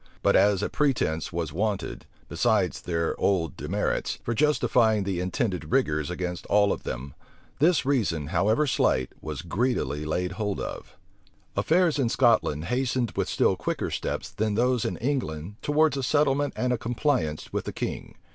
But as a pretence was wanted, besides their old demerits, for justifying the intended rigors against all of them, this reason, however slight, was greedily laid hold of. Affairs in Scotland hastened with still quicker steps then those in England towards a settlement and a compliance with the king.